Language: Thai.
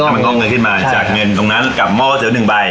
เอาเงินขึ้นมาจากเงินตรงนั้นกับหม้อก๋วยเตี๋ยวหนึ่งใบ